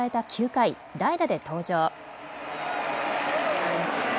９回、代打で登場。